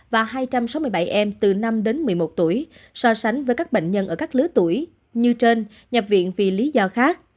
và hai trăm sáu mươi bảy em từ năm đến một mươi một tuổi so sánh với các bệnh nhân ở các lứa tuổi như trên nhập viện vì lý do khác